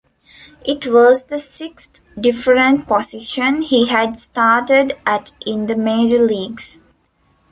It was the sixth different position he had started at in the major leagues.